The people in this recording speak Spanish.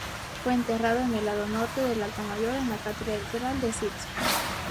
Fue enterrado en el lado norte del Altar Mayor de la catedral de St.